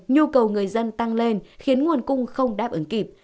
nhu cầu người dân tăng lên khiến nguồn cung không đáp ứng kịp